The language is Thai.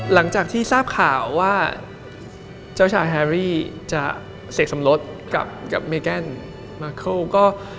หลังจากที่ทราบข่าวว่าเจ้าชายแฮรี่จะเสกสมรสกับเมแกนมาร์เคิลก็